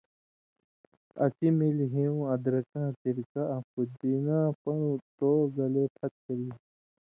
اسی ملی ہیُوں، ادرکاں سِرکہ آں پودیناں پن٘ڑٹو گلے پھت کری